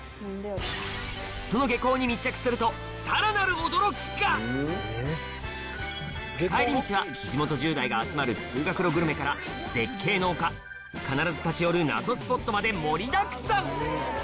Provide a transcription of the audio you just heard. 壱成君はなぜ帰り道は地元１０代が集まる通学路グルメから絶景の丘必ず立ち寄る謎スポットまで盛りだくさん！